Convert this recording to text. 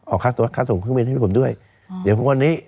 ออกคลักตัวคลักส่งเครื่องบินให้พี่ผมด้วยเดี๋ยวพวกวันนี้